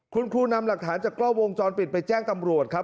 คุณครูนำหลักฐานจากกล้องวงจรปิดไปแจ้งตำรวจครับ